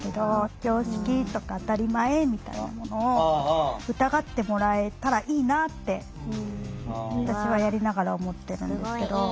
常識とか当たり前みたいなものを疑ってもらえたらいいなって私はやりながら思ってるんですけど。